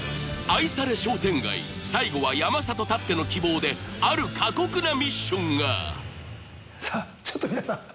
愛され商店街最後は山里たっての希望である過酷なＭＩＳＳＩＯＮがさぁちょっと皆さん